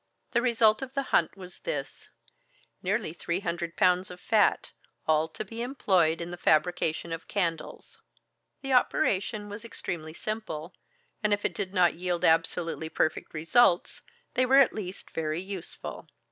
The result of the hunt was this: nearly three hundred pounds of fat, all to be employed in the fabrication of candles. The operation was extremely simple, and if it did not yield absolutely perfect results, they were at least very useful.